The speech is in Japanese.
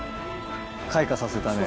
開花させたね。